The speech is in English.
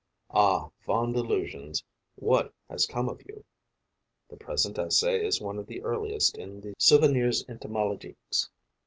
Ah, fond illusions, what has come of you? (The present essay is one of the earliest in the "Souvenirs Entomologiques."